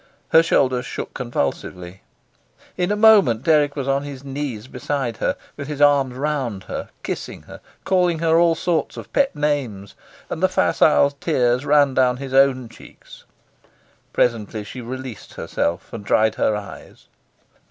Her shoulders shook convulsively. In a moment Dirk was on his knees beside her, with his arms round her, kissing her, calling her all sorts of pet names, and the facile tears ran down his own cheeks. Presently she released herself and dried her eyes.